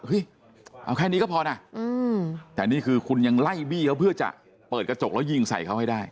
เอาแค่นี้ก็พอนะแต่นี่คือคุณยังไล่บี้เขาเพื่อจะเปิดกระจกแล้วยิงใส่เขาให้ได้